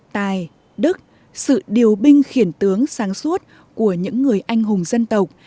tài đức sự điều binh khiển tướng sáng suốt của những người anh hùng dân tộc